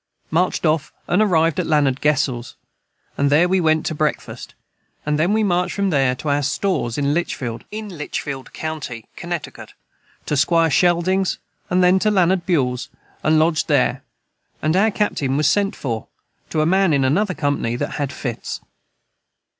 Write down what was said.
Marched of and arived at Landard Gessels and their we went to Brecfirst and then we marched from their to our stores in Litchfield to Squire Sheldings and then to Landard Buels and lodged their and our Captain was sent for to a man in another Company that had fits.